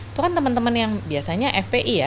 itu kan teman teman yang biasanya fpi ya